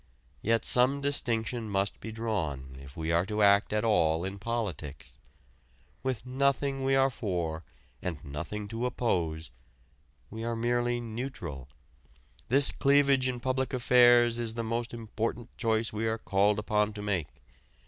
Yet some distinction must be drawn if we are to act at all in politics. With nothing we are for and nothing to oppose, we are merely neutral. This cleavage in public affairs is the most important choice we are called upon to make.